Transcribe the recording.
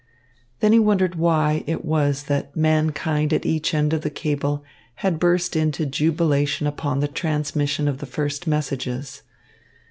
Then he wondered why it was that mankind at each end of the cable had burst into jubilation upon the transmission of the first messages.